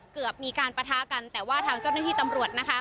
เกือบมีการปะทะกันแต่ว่าทางเจ้าหน้าที่ตำรวจนะคะ